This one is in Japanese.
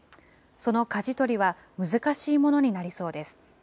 そのかじ取りは、難しいものになりそうです。